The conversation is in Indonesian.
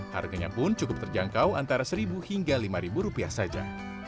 harganya pun cukup terjangkau antara seribu hingga lima ribu rupiah saja